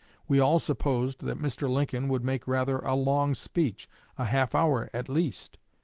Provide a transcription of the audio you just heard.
We all supposed that Mr. Lincoln would make rather a long speech a half hour at least.